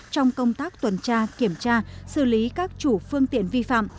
trong công tác tuần tra kiểm tra xử lý các chủ phương tiện vi phạm